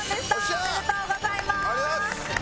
おめでとうございます！